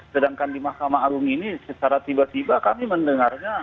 sedangkan di mahkamah agung ini secara tiba tiba kami mendengarnya